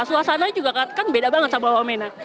suasana juga kan beda banget sama bapak mena